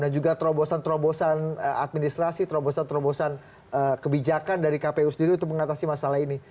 dan juga terobosan terobosan administrasi terobosan terobosan kebijakan dari kpu sendiri untuk mengatasi masalah ini